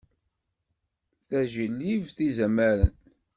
Tajlibt izamaren.